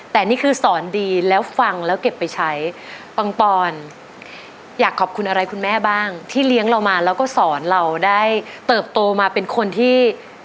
แต่นี่คือสอนดีแล้วฟังแล้วเก็บไปใช้ปังปอนอยากขอบคุณอะไรคุณแม่บ้างที่เลี้ยงเรามาแล้วก็สอนเราได้เติบโตมาเป็นคนที่